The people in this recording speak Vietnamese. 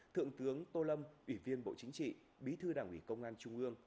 thượng tướng tô lâm ủy viên bộ chính trị bí thư đảng ủy công an trung ương